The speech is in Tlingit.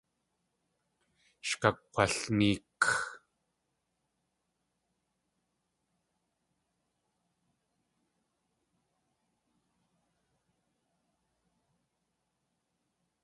Sh kakg̲walneek.